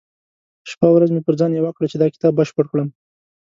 شپه او ورځ مې پر ځان يوه کړه چې دا کتاب بشپړ کړم.